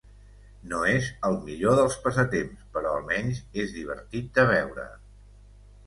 No és el millor dels passatemps… però almenys és divertit de veure.